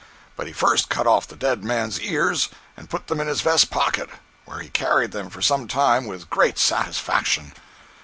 But he first cut off the dead man's ears and put them in his vest pocket, where he carried them for some time with great satisfaction.